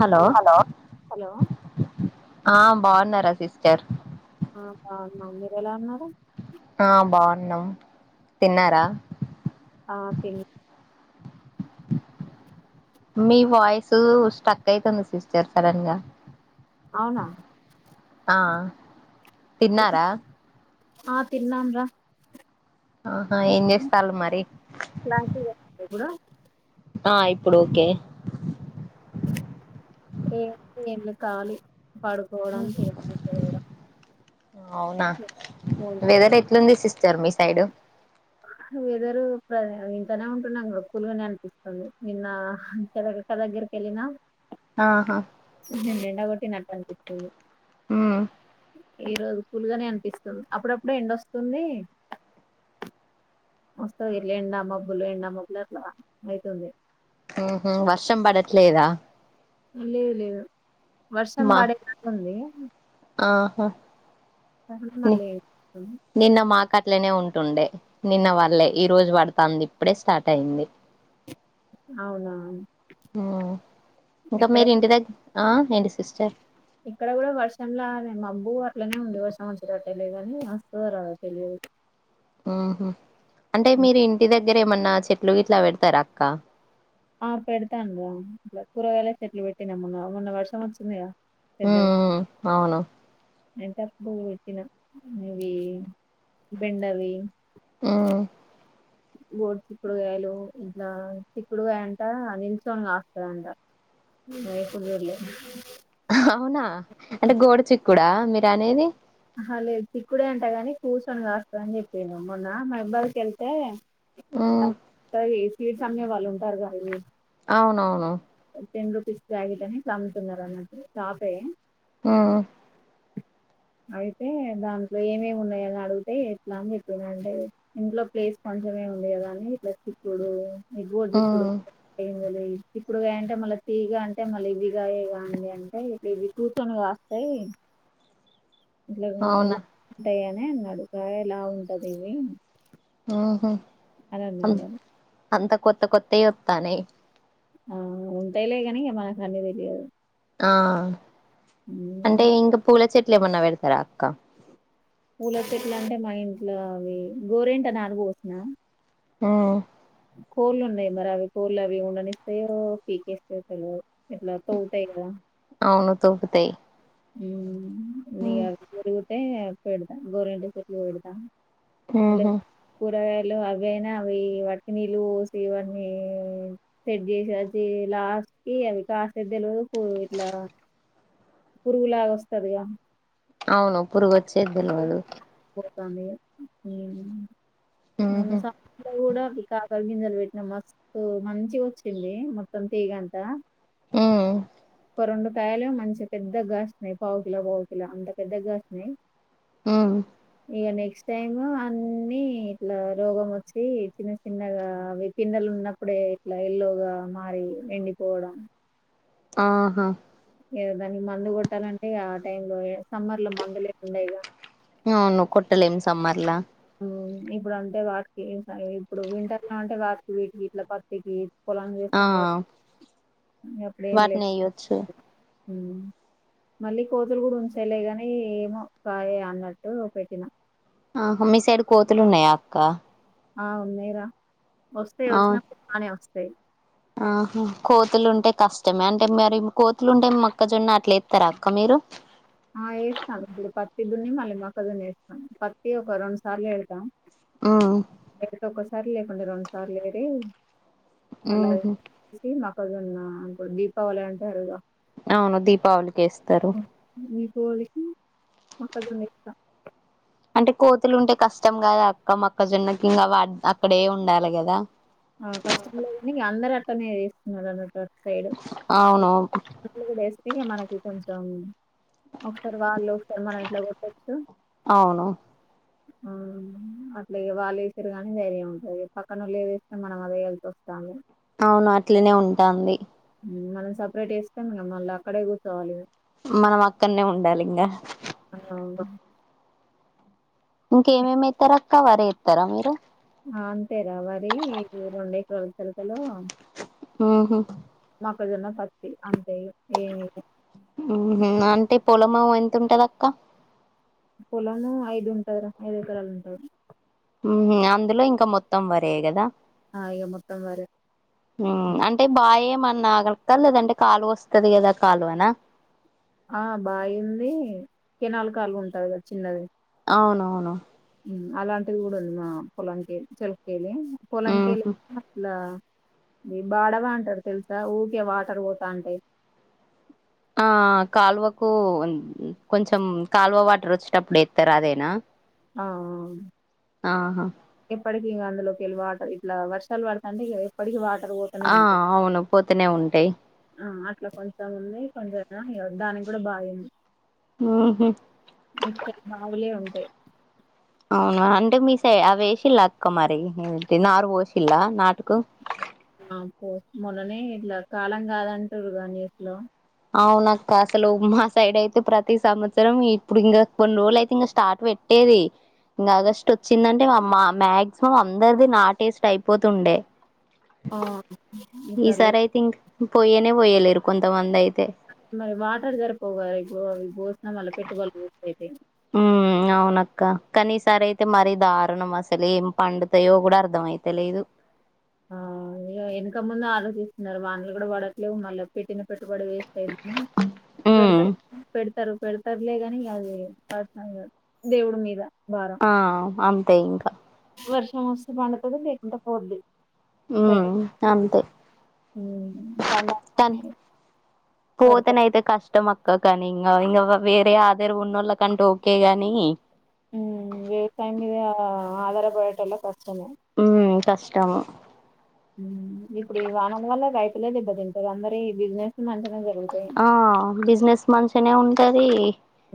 Hello hello ఆ బావున్నరా sister. ఆ బావున్నాం. మీరు ఎలా ఉన్నారు? ఆ బావున్నాం, తిన్నారా? ఆ తిన్ మీ వాయిసు స్ట్రక్ అయితుంది సిస్టర్ సడన్గా. అవునా ఆ తిన్నారా? ఆ తిన్నాంరా. ఆహా ఏం చేస్తాల్లు మరి. లాంటివి [inaudible] కూడా ఆ ఇప్పుడు ఓకే. ఏ ఏం లేదు కాలి పడు అవునా ఫోన్ చేయడం వెదర్ ఎ ట్లుంది సిస్టర్ మీ సైడ్. వెదరు ప్రజె ఇంట్లనే ఉంటున్నాం కదా కూల్గానే అనిపిస్తుంది నిన్నా [inaudible] అక్కదగ్గరికెల్లినా. ఆహా [inaudible] ఎండకొట్టి నట్టు అనిపిచ్చింది. ఆ ఈ రోజు కూల్గనే అనిపిస్తుంది, అప్పుడప్పుడు ఎండొస్తుంది వస్తది ఇట్ల ఎండా మబ్బులు ఎండా మబ్బులు అట్లా అయితుంది. వర్షం పడట్లేదా? లేదు లేదు వర్షం మా పడేటట్లు ఉంది ఆహా ని లేదు ఉమ్ నిన్న మాకు అట్లనే ఉంటుండే నిన్న పల్లే ఈ రోజు పడతాంది ఇప్పుడే స్టార్ట్ అయింది అవునా ఇంకా ఎక్కడ మీరి ఇంటి దగ్గ ఏంటి సిస్టర్ ఇక్కడ కూడా వర్షంలా మబ్బు అట్లనే ఉంది వర్షం వచ్చేటట్టేలేగాని వస్తదో రాదో తెలియదు ఉహు అంటే మీరు ఇంటి దగ్గర ఏమన్నా చెట్లు ఇట్లా పెడతారా అక్క ఆ పెడతానుర ఇట్లా కూరవగాయల చెట్లు పెట్టినాము మొన్న వర్షం వచ్చింది గా హా అవును [unintelligible] ఇవి బెండవి ఉ గోడు చిక్కుడుకాయలు ఇంట్లా చిక్కుడుగాయ అంట నిల్చొనికాస్తాదంట [inaudible] అవునా అంటే గోడు చిక్కుడా మీరు అనేది అహ లేదు చిక్కుడే అంటాగాని కూర్చొని కాస్తాది అని చెప్పాను మొన్న మా అబ్బాయికి వెళ్తే హ్మ్ సీడ్స్ అమ్మే వాళ్ళు ఉంటారు కదా అవునవును టెన్ రూపీస్ బ్యాగెట్ అని అమ్ముతున్నారు అన్నట్టు షాపే ఉమ్ అయితే దాంట్లో ఏమేమి ఉన్నాయి అని అడిగితే ఎట్లా అని చెప్పన్నా అంటే ఇంట్లో ప్లేస్ కొంచమే ఉంది కదా అని ఇట్ల చిక్కుడు గోరు చిక్కుడు హ్మ్ ఏమి లేదు ఇప్పుడు అంటే మళ్ళా తీగ అంటే మళ్ళీ ఇదిగాయ కాండి అంటే ఇవి కూర్చుని కాస్తాయి ఇట్లా అవునా? [inaudible] టాయనే నడుక ఇలా ఉంటంది ఇవి ఉహూ అని అ అన్నాడు వాడు అంత కొత్త కొత్తయి వత్తన్నాయి ఆ ఉంటాలే కాని మనకు అన్ని తెలియదు ఆ అంటే ఇంకా పూల చెట్లు ఏమన్నా పెడతారా అక్క పూల పెట్లు అంటే మా ఇంట్లో అవి గోరేంట నారు పోసిన ఉ కోళ్ళు ఉన్నాయి మరి అవి కోళ్ళు అవి ఉండనిస్తాయో పీకేస్తాయో తెలవదు ఎట్లా [unintelligible] అవును తూకుతాయి ఉమ్ ఇగ దొరికితే పెడదాం గోరింటా చెట్లు పెడతాం మల్లా హుహు. కూరగాయలు అవైనా అవి వటి నీళ్ళుసివన్నీ [unintelligible] పురుగులాగా వస్తదిగా అవును పురుగు వచ్చేది తెలవదు నిద్రొస్తోంది గా ఉమ్ ముళ్ళ హుహు. ఇ కూడా ఈ కాకర గింజలు పెట్నాం మస్తు సో మంచి వచ్చింది మొత్తం తీగంత హ్మ్. కొరండ కాయలు మంచి పెద్దగాసినయి పావుకిిలో పావుకిలో అంత పెద్దగాసినయి ఉమ్ ఇగ నెక్స్ట్ టైమ్ అన్ని ఇట్లా రోగం వచ్చి చిన్న చిన్నగా వ్య పిందెలు ఉన్నప్పుడే ఇట్లా ఎల్లోగా మారి ఎండిపోవడం ఊహూ ఏదో దానికి మందు కొట్టాలంటే ఆ టైం లో సమ్మర్ లో మందులే ఉన్నాయిగా అవును కొట్టలేమ్ సమ్మార్లా హ్ ఇప్పుడు అంటే వాటికి ఏం స ఇప్పుడు వింటర్ల అంటే వాటికి వీటికి ఇట్ల పత్తికి పొలం ఆ! చేస్తాం కాబట్టి ఇగ వాటిని [inaudible] ఎయ్యొచ్చు హ్మ్ మళ్ళీ కోతులు కూడా ఉంచాయిలే కానీ ఏమో కాయ అన్నట్టు పెట్టినా మీ సైడ్ కోతులు ఉన్నాయా అక్క ఆ ఉన్నాయిరా వస్తాయి వచ్చినప్పుడు బానే వస్తాయి ఆహ కోతులు ఉంటే కష్టమే అంటే మరి కోతులు ఉంటే మక్కజొన్న అట్లే ఎత్తరా అక్క మీరు ఆ వేస్తాను ఇప్పుడు పత్తి దున్ని మళ్ళీ మొక్కజొన్న వేస్తాం పత్తి ఒక రెండు సార్లు ఎసాం ఉమ్ ఎంట ఒక్కసారి లేకుండా రెండు సార్లు [unintelligible] మళ్ళా ఉహు ఇది మక్కజోన్న అంటే దీపావళి అంటారు గా అవును దీపావళికి వేస్తారు దీపావళి కి మొక్కజొన్న ఎస్తా అంటే కోతులు ఉంటే కష్టం కదా అక్క మక్కజొన్నకి ఇంకా వా అక్కడే ఉండాలి కదా ఆ కష్టం లేదని అందరు అట్టనే చేస్తున్నారు అన్నట్టు అటుసైడు అవును ఇట్లా కూడా ఏస్తే మనకి కొంచెం ఒకసారి వాళ్ళు ఒకసారి మనం ఇట్లా కొట్టొచ్చు అవును హ్మ్ అట్లా వాళ్ళు వేసిర్రు కానీ ధైర్యం సరిపోలే పక్కనోళ్ళు ఏదే కానీ మనం అదే ఏసేస్తాము అవును అట్లనే ఉంటాంది హ్మ్ మనం సపరేట్ ఎస్తే మనం మళ్ళ అక్కడే కూర్చోవాలి మనం అక్కడనే ఉండాలి ఇంగ హ్మ్ ఇంక ఏమేమి ఏత్తరు అక్క వరి ఏత్తరా మీరు ఆ అంతేరా వరి రెండెకరాల చిలక లో ఆహా మొక్కజొన్న పత్తి అంతే ఏ [unintelligible] హుహు అంటే పొలము ఎంత ఉంటది అక్క పొలము ఐదు ఉంటారు ఐదు ఏకరాలు ఉంటాది ఊహూ అందులో ఇంకా మొత్తం వరే కదా ఆ ఇగ మొత్తం వరె అంటే బాయి ఏమన్నా ఆగక్క లేదంటే కాలువ వస్తాది కదా కాలువానా ఆ బాయి ఉంది కెనాల్ కాలువ ఉంటది కదా చిన్నది అవునవును అలాంటిది కూడా ఉంది మా పొలంకే చెలకేలి పొలంకీలు ఉహు అలా ఇ బాడవా అంటారు తెలుసా ఊరికే వాటర్ పోతంటాయి ఆ కాలువకు కొంచెం కాలువ వాటర్ వచ్చేటప్పుడు ఏత్తరు అదేనా ఆ ఆ ఆహా ఎప్పటికి అందులోకి వెళ్ళి వాటర్ ఇట్లా వర్షాలు పడుతాంటే ఇగ ఎప్పటికీ వాటర్ పో ఆ అవును పోతూనే ఉంటాయి ఆ అట్లా కొంచెం ఉంది కొంచెం దానికి కూడా బాయి ఉంది ఆహా ఇటు సైడ్ బావిలే ఉంటాయి అవునా అంటే మీసై అ వేసిల్లా లాక్కు మరి నారు పోసిల్లా నాటుకు, ఆ పో మొన్నని ఇట్లా కాలం కాదంటురుగా న్యూస్ లో అవును అక్క అసలు మా సైడ్ అయితే ప్రతి సంవత్సరం ఇప్పుడు ఇంకా కొన్ని రోజులు అయితే ఇంక స్టార్ట్ పెట్ ఏది ఇంకా ఆగస్ట్ వచ్చిందంటే మా మా మాక్సిమం అందరిది నాటు వేసి అయిపోతుండే ఆ, ఈసారి అయితే ఇం పోయనే పోయలేరు కొంతమంది అయితే మరి వాటర్ సరిపోదు ఇవి వేసిన పెట్టుబడి వేస్ట్ అయితే ఉం అవునక్క కానీ ఈసారి అయితే మరి దారుణం అసలు ఏం పండుతాయో కూడా అర్ధ అయితే లేదు. ఆ ఇనక ముందు ఆర్డర్ తీస్తున్నారు వానలు కూడా పడట్లేవు మళ్ళ, పెట్టిన పెట్టు కూడా వేస్ట్ అయిందిని ఉమ్ పెడతారు పెడతా సరే సరేలే పర్లేదు అని బయలుదేరాను పర్సనల్ దేవుడి మీద భారం ఆ అంతే ఇంకా వర్షం వస్తే అనుకుని పండుతుంది లేకుంట పోద్ది. ఉమ్ పెట్ట అంతే పండగ [unintelligible] పోతనయితే కష్ట టమోటో క్క కానీ ఇంకా ఇంకా వేరే ఆదార ఉన్న వాళ్ళ కంటే ఓకే గాని ఉం ఏ టైమ్ ఇద ఆధారపడటం లో కష్టమే ఉ కష్టము ఇప్పుడు ఈ వానల వల్ల రైతులు దెబ్బ తింటారు అందరి బిజినెస్ మంచిగా జరుగుతుంది. ఆ బిజినెస్ మంచిగానే ఉంటది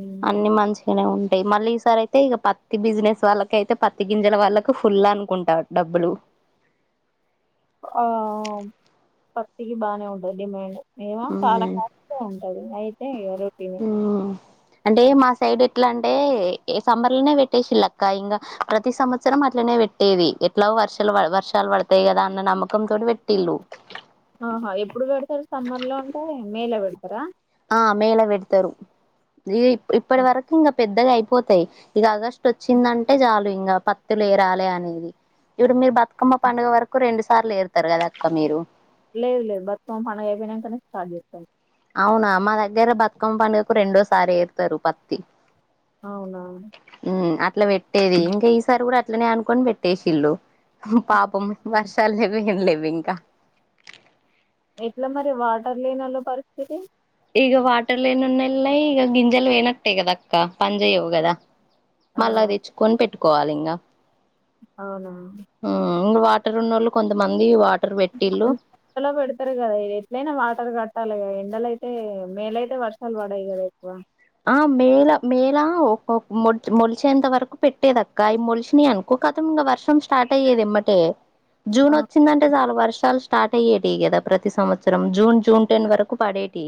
ఉమ్, అన్ని మంచి బలే ఉంటాయి మళ్ళీ ఈ సారి అయితే ఇక పత్తి బిజినెస్ వాళ్ళక అయితే పత్తి గింజల వాళ్ళకు ఫుల్ అనుకుంటారు డబ్బులు ఆ పత్తికి బాగానే ఉంటది డిమాండ్ ఏమో చాలా ఉమ్ ఉంటాంది అయితే ఇ రోటి ఉం అంటే మా సైడ్ ఎట్లా అంటే సమ్మర్ లోనే పెట్టేసిల్లక్క ఇంకా ప్రతి సంవత్సరం అట్లనే పెట్టి టీవీ ఎట్లా వర్షాలు వర్షాలు పడతాయి కదా అన్న నమ్మకం తో పెట్టిల్ళు ఆహా ఎప్పుడు పెడతారు సమ్మర్ లో ఉంటే మే లో పెడతారా ఆ మేళ పెడతారు ఇ ఇప్పటి వరకు ఇంకా పెద్దగా అయిపోత యి ఇక ఆగస్ట్ వచ్చిందంటే చాలు ఇంకా పత్తు లేరాలే అనేది బతుకమ్మ మా పండుగ వరకు రెండుసార్లు వేరుతారు కదా అక్క మీరు లేవు లేదు బతుకమ్మ పండుగ అయిపోయినాక సా ర్ట్ చేస్తా అవునా మా దగ్గర బతుకమ్మ పండుగకు రెండోసారి వేరుతారు పత్తి అవునా అవును ఉం అట్లా పెట్టేది ఇంకా ఈసారి కూడా అట్లనే అనుకొని పెట్టేసిల్లు పాపం వర్షాలు లేవు ఏంలేవి ఇంకా ఎట్లా మరి వాటర్ లేనోళ్ళు లో పరిస్థితి ఇక వాటర్లనన్నెల్ ఈ గింజల్ వేనక్ట్టే కద అక్క పని చేయవు కదా ఆ మళ్ళా తెచ్చుకొని పెట్టుకోవాలి ఇంకా అవునా ఉం వాటర్ ఉన్న వాళ్ళు కొంతమంది వాటర్ పెట్టిళ్ళు ఎలాగో పెడతారు కదా ఇది ఎట్లయినా వాటర్ కట్టాలిగా ఎండలయితే మేలైతే వర్షాలు పడాయి కదా ఎక్కువ ఆ మేల మేల ఒక మొలిసేంత వరకు పెట్టేద అక్క అ మొలిషిని అనుకో ఒక కతంలో వర్షం స్టార్ట్ అయ్యేది ఇమ్మటే ఆ జూన్ వచ్చిందంటే చాలా వర్షాలు స్టార్ట్ అయ్యేటి కదా ప్రతి సంవత్సరం జూన్ జూన్ టెన్ వరకు పడేటి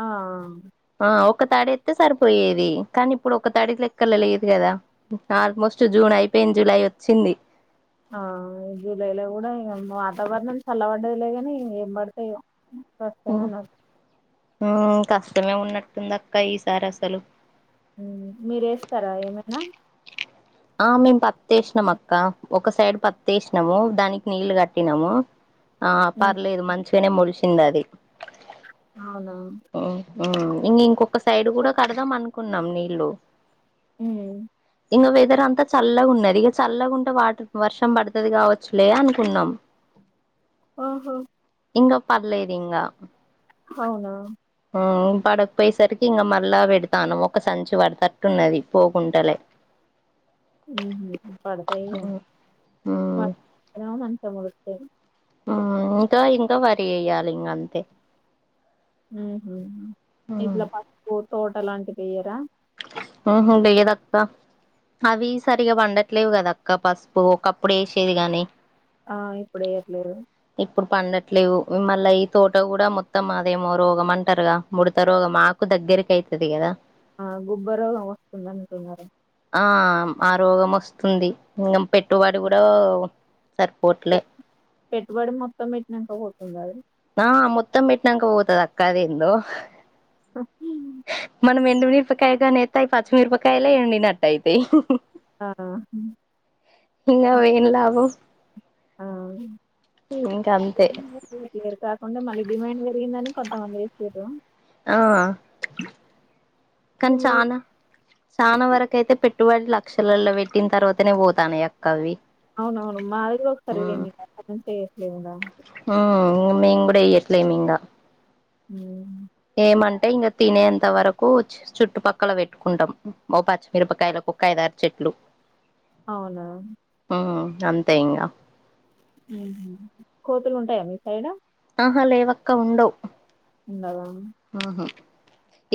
ఆ ఆ ఒక తాడి ఎత్తే సరిపోయేది కానీ ఇప్పుడు ఒక తాడి లెక్కల లేదు కదా ఆల్మోస్ట్ జూన్ అయిపోయింది జులై వచ్చింది ఆ ఈ జూలై లో కూడా వాతావరణం చల్లవడదులేగాని ఏం పడతాయో వస్తావనరు మ్మ్ కష్టమే ఉన్నట్టుంది అక్క ఈసారి అసలు మ్మ్ మీరేస్తారా ఏమైనా ఆ మేము పత్ వేసినాం అక్క ఒక సైడ్ పత్ వేసినాము దానికి నీళ్లు కట్టినాము ఆ ఉమ్, పర్లేదు మంచిగానే ముడిసింది అది అవునా ము హు ఇం ఇంకొక సైడ్ కూడా కడదాం అనుకున్నాం నీళ్లు ఉమ్ ఇంకా వెదర్ అంతా చల్లగా ఉన్నది ఇక చల్లగా ఉంటే వాటర్ వర్షం పడుతుది కావచ్చులే అనుకున్నాం అ ఆహా ఇంగ పర్లేదీంగ అవునా ఇ పడకపోయేసరికి ఇంకా మళ్ళా పెడతాను ఒక సంచి పడతట్టున్నది పోకుంటలే హ్మ్ పడతాయి వా మంచిగా [unintelligible] ఆ ఉంటే ఇంకా వరి చేయ్యాలి ఇంకా అంతే హు హ్మ్ ఇడ్ల పప్పు తోట లాంటివి వేయరా అహ లేదక్కా అవి సరిగా వండట్లేవు కదా అక్క పసుపు ఒకప్పుడు వేసేది గాని ఆ ఇప్పుడు యేయ్యట్లేరు ఇప్పుడు పండట్లేదు మళ్ళీ ఈ తోట కూడా మొత్తం అదేమో రోగం అంటారుగా ముుడత రోగం ఆకు దగ్గరకి అయ్తది కదా ఆ గుబ్బరు వస్తుంద అంటున్నారు ఆ ఆరోగం వస్తుంది ఇంకా పెట్టుబడి కూడా సరిపోవట్లే పెట్టుబడి మొత్తం పెట్టినాక పోతుంది అది నా మోత్తం పెట్నంక పోతాది అక్క అదేందో మనం ఎండుమిరపకాయ కానీ ఏతే అవి పచ్చిమిరపకాయలే ఎండినట్టటు ఐతాయి ఆ అవి ఏం లాభం ఆ ఇంక అంతే ఇక్కడ కాకుండా మళ్ళీ డిమాండ్ పెరిగిందని కొంతమంది ఇస్థిరు ఆ కనీ చానా చానా వరకు అయితే పెట్టుబడి లక్షలలో పెట్టిన తర్వాతనే పోతానై అక్క అవి అవునవును మాదిగగా ఒకసారివేం చేయట్లేదుద ఉ ఇంగా మేం కూడా ఈయట్లేమ్ ఇంగా ఉమ్ ఏమంటే ఇంకా తినేంత వరకు చుట్టుపక్కల పెట్టుకుంటాం ఓ పచ్చిమిరపకాయల కుక్కఐదారు చెట్లు అవునా హ్మ్ అంతే ఇంక కోతులుంటాయా మీ సైడ్ ఆహా లేవక్క ఉండవ్ ఉండవా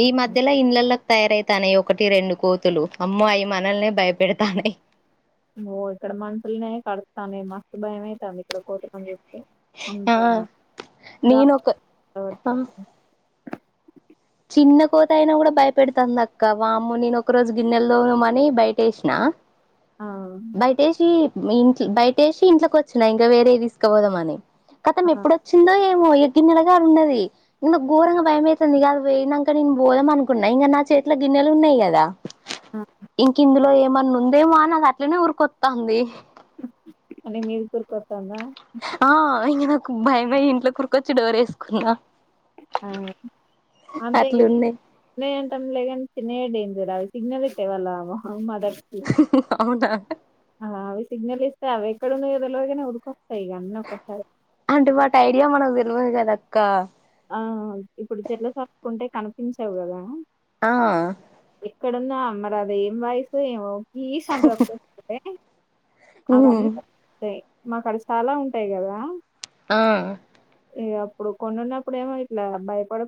ఈ మధ్యలో ఇండ్లల్లో తయారైతానాయి ఒకటి రెండు కోతులు అమ్మో అయి మనల్నే భయపెడతానాయి ఓ ఇక్కడ మంత్రీనే కడుతామే మస్తు భయమైతాంది ఇక్కడ కోతులని చూత్తే ఆ అంతేనా నేను ఒక ఆ [unintelligible] చిన్న కోతి అయినా కూడా భయపెడుతాంది అక్క వామ్మో నేను ఒక రోజు గిన్నెల్దోమమని బయటేసినా ఔ బయటేషి ఇన్కి బయటేషి ఇంట్లోకొచ్చినా ఇంకా వేరే తీసుకపోదామని ఖతం ఆ ఎప్పుడొచ్చు చిందో ఏమో ఎ గ్గిన్నెలకాడున్నది ఇంకా ఘోరంగా భయమైతుందిగా అది పోయినంక నేను బోదం అనుకున్నా ఇంకగ నా చేతిలో గిన్నెలున్నాయి కదా ఆ ఇంకిందులో ఏమన్నా ఉందేమో అని అది అట్లనే ఉరికొత్తాంది నీ మీదికి ఉరికొత్తాందా ఆ ఇంగ నాకు భయమయ్యి ఇంట్లోకి ఉరికొచ్చి డోర్ ఏసుకున్నా ఆ అంతే ఇంగ అట్లున్నాయి లే అంతం లేగానీ చిన్నయే డేంజర్ అది సిగ్నల్ ఇత్తాయి వాళ్ళ మదర్ కి అవునా అలా అవి సిగ్నల్ ఇస్తాయి అవి ఎక్కడ ఉన్నాయో తెల్వదు గానీ ఉరికొస్తాయి ఇగ అన్నీ ఒక్కసారే అంటే వాటి ఐడియా మనకు తెల్వదు కదా అక్క ఆ అవి ఇప్పుడు చెట్లకు అతుక్కుంటే కనిపించవు కదా ఆ ఎక్కడున్నా అమ్మలో అదేం వాయిసో ఏమో కీస్ అంటూ [inaudible] ఉమ్ అవన్నీ [inaudible] తాయి మాకు ఆడ స్తాలా ఉంటాయి కదా ఆ ఇగ అప్పుడు కొన్ని ఉన్నప్పుడేమో ఇట్లా భయపడు